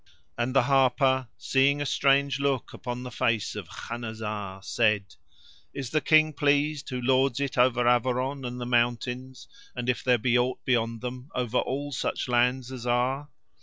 And the harper, seeing a strange look upon the face of Khanazar, said: "Is the King pleased who lords it over Averon and the mountains, and, if there be aught beyond them, over all such lands as are?"